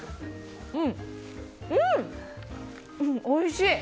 おいしい！